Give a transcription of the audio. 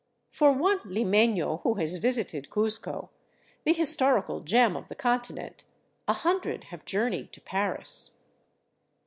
For one limefio who has visited Cuzco, the his torical gem of the continent, a hundred have journeyed to Paris.